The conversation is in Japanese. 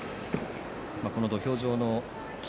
この土俵上の霧